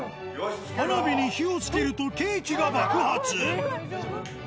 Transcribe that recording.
花火に火をつけると、ケーキが爆発。